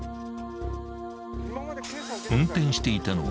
［運転していたのは］